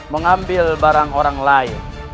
mengambil barang orang lain